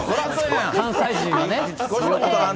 関西人はね。